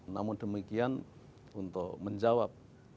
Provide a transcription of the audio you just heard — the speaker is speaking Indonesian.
namun demikian untuk menjawab